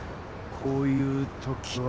こういう時は。